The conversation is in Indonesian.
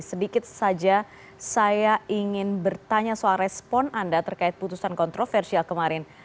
sedikit saja saya ingin bertanya soal respon anda terkait putusan kontroversial kemarin